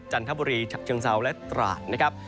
จันทบุรีฉะเชิงเซาและตราดนะครับ